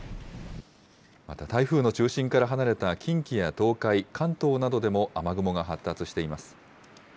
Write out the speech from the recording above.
また台風の中心から離れた近畿や東海、関東などでも雨雲が発達しています。